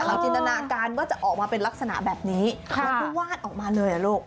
จินตนาการว่าจะออกมาเป็นลักษณะแบบนี้แล้วก็วาดออกมาเลยอ่ะลูก